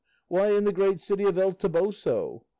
Why, in the great city of El Toboso.